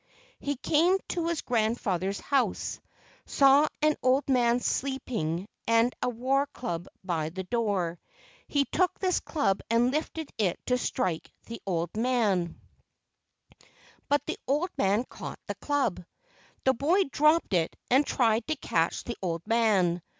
He came to his grandfather's house, saw an old man sleeping and a war club by the door. He took this club and lifted it to strike the old man, 172 LEGENDS OF GHOSTS but the old man caught the club. The boy dropped it and tried to catch the old man.